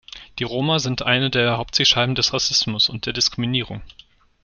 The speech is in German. Die Roma sind eine der Hauptzielscheiben des Rassismus und der Diskriminierung.